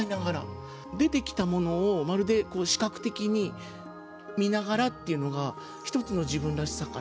出てきたものをまるで視覚的に見ながらっていうのが一つの自分らしさかなと。